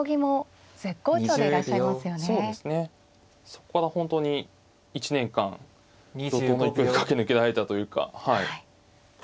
そこから本当に１年間怒とうの勢いで駆け抜けられたというか。